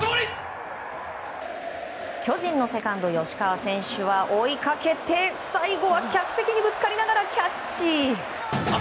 巨人のセカンド、吉川選手は追いかけて最後は客席にぶつかりながらキャッチ！